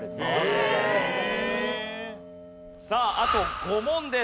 さああと５問です。